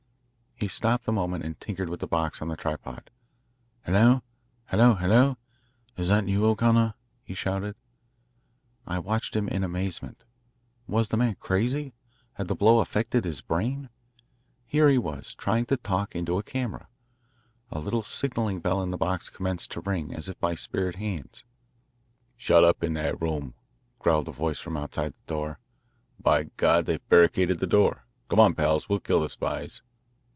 He stopped a moment and tinkered with the box on the tripod. "Hello! Hello! Hello! Is that you, O'Connor?" he shouted. I watched him in amazement. Was the man crazy? Had the blow affected his brain? Here he was, trying to talk into a camera. A little signalling bell in the box commenced to ring, as if by spirit hands. "Shut up in that room," growled a voice from outside the door. "By God, they've barricaded the door. Come on, pals, we'll kill the spies."